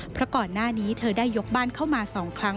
เพราะก่อนหน้านี้เธอได้ยกบ้านเข้ามา๒ครั้ง